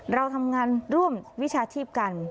เราทำงานร่วมวิชาชีพกัน